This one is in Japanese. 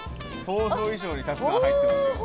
想像以上にたくさん入ってますよ！